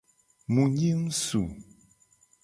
Mu nyi ngsu.